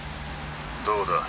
どうだ？